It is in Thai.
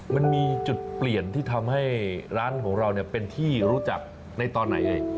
มันมีจุดเปลี่ยนที่ทำให้ร้านของเราเป็นที่รู้จักในตอนไหน